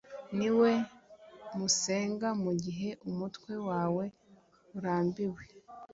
Ni we musenga mugihe umutwe wawe urambiwe